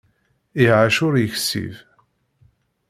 Iɛac ur yeksib.